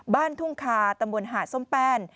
บ้านทุ่งคาตำบลหาดส้มแป้น